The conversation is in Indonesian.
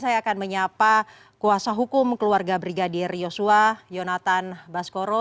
saya akan menyapa kuasa hukum keluarga brigadir yosua yonatan baskoro